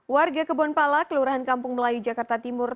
warga kebonpala kelurahan kampung melayu jakarta timur